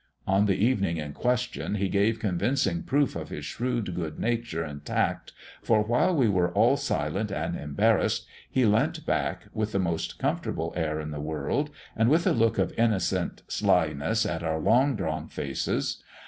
On the evening in question, he gave convincing proof of his shrewd good nature and tact for while we were all silent and embarrassed, he leant back, with the most comfortable air in the world, and with a look of innocent slyness at our long drawn faces.